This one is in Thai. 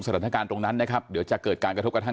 สถานการณ์ตรงนั้นเดี๋ยวจะเกิดการกระทบกับท่าน